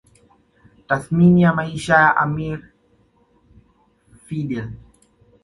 Tathmini ya maisha ya amir Fidel